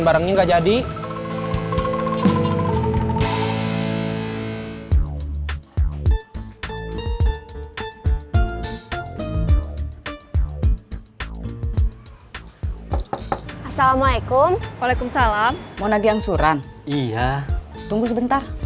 barengnya enggak jadi assalamualaikum waalaikumsalam mona diangsuran iya tunggu sebentar